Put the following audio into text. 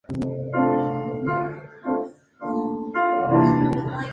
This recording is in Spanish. Además, compitió en el ciclo "Celebrity Poker Showdown".